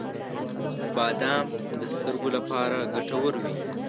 • بادام د سترګو لپاره ګټور وي.